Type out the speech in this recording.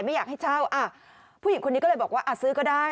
ไม่อยากให้เช่าอ่ะผู้หญิงคนนี้ก็เลยบอกว่าซื้อก็ได้